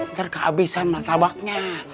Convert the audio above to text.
ntar kehabisan martabaknya